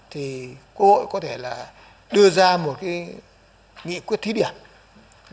thì cô hội có thể là đưa ra một cái nghị quyết thí điển